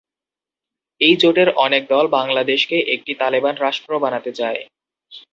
এই জোটের অনেক দল বাংলাদেশকে একটি তালেবান রাষ্ট্র বানাতে চায়।